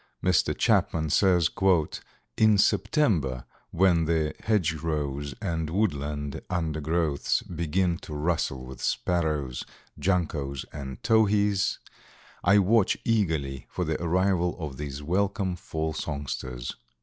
Mr. Chapman says: "In September, when the hedgerows and woodland undergrowths begin to rustle with sparrows, juncos and towhees, I watch eagerly for the arrival of these welcome fall songsters."